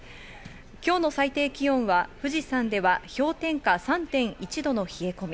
今日の最低気温は富士山では氷点下３．１度の冷え込み。